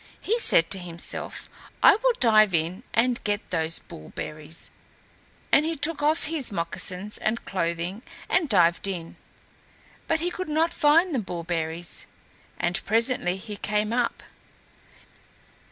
He said to himself, "I will dive in and get those bull berries"; and he took off his moccasins and clothing and dived in, but he could not find the bullberries, and presently he came up.